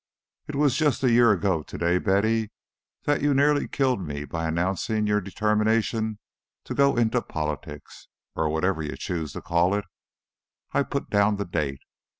VI "It is just a year ago to day, Betty, that you nearly killed me by announcing your determination to go into politics or whatever you choose to call it. I put down the date.